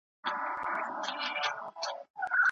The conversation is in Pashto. خو شاعر وایی، زړه د مينې کور دی.